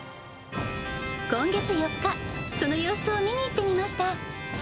今月４日、その様子を見に行ってみました。